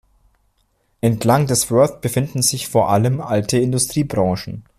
Entlang des Worth befinden sich vor allem alte Industriebrachen.